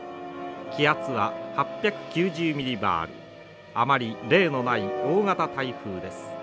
気圧は８９０ミリバールあまり例のない大型台風です。